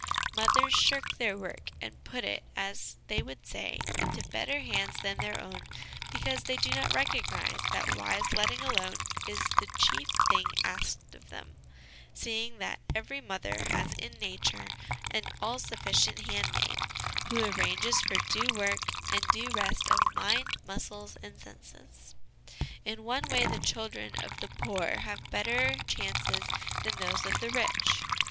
Mothers shirk their work and put it, as they would say, into better hands than their own, because they do not recognise that wise letting alone is the chief thing asked of them, seeing that every mother has in Nature an all sufficient handmaid, who arranges for due work and due rest of mind, muscles, and senses. In one way the children of the poor have better chances than those of the rich.